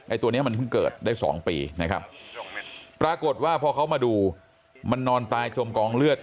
ตัวนี้มันเพิ่งเกิดได้๒ปีนะครับปรากฏว่าพอเขามาดูมันนอนตายจมกองเลือด